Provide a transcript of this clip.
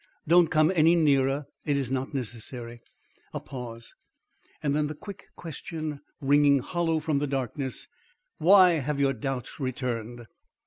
"Don't come any nearer; it is not necessary." A pause, then the quick question ringing hollow from the darkness, "Why have your doubts returned?